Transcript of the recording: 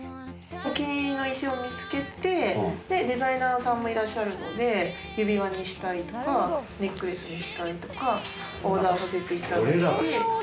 お気に入りの石を見つけて、デザイナーさんもいらっしゃるので、指輪にしたりとか、ネックレスにしたりとか、オーダーさせていただいて。